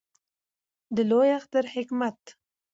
د لوی اختر حکمت